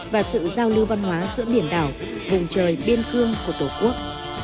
và sự giao lưu văn hóa giữa biển đảo vùng trời biên cương của tổ quốc